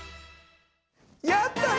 やったね！